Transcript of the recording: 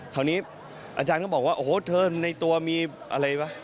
คราวนี้อาจารย์ก็บอกว่าโอ้โหเธอในตัวมีอะไรวะ